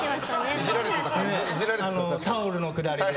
タオルのくだりで。